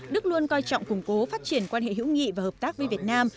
đức luôn coi trọng củng cố phát triển quan hệ hữu nghị và hợp tác với việt nam